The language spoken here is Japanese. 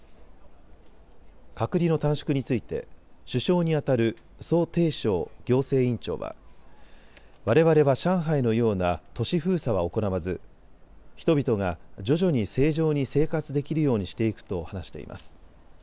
隔離の短縮について首相に当たる蘇貞昌行政院長はわれわれは上海のような都市封鎖は行わず人々が徐々に正常に生活できるようにしていくと話しています。